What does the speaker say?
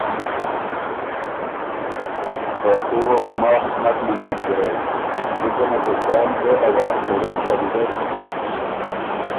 خه آ وه بُو ماخ نک منيېن ګیرډ، جِکه نه که کان ګه ا وار جوړېک سَۀ ویزر